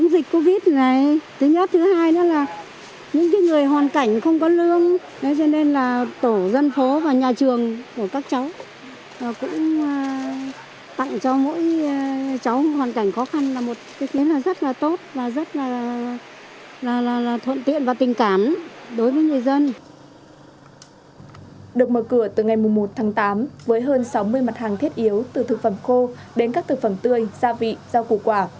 được mở cửa từ ngày một tháng tám với hơn sáu mươi mặt hàng thiết yếu từ thực phẩm khô đến các thực phẩm tươi gia vị rau củ quả